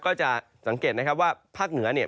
ก็จะสังเกตนะครับว่าภาคเหนือเนี่ย